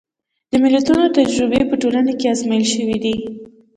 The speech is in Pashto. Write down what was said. د متلونو تجربې په ټولنه کې ازمایل شوي دي